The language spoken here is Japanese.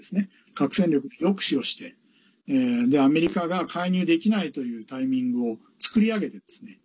核戦力で抑止をしてアメリカが介入できないというタイミングを作り上げてですね